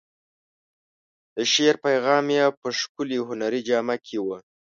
د شعر پیغام یې په ښکلې هنري جامه کې و.